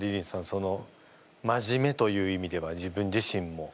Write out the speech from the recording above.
その真面目という意味では自分自身も。